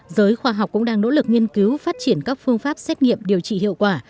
giới khoa học cũng đang nỗ lực nghiên cứu phát triển các phương pháp xét nghiệm điều trị hiệu quả